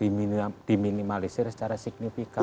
dan korupsinya itu bisa diminimalisir secara signifikan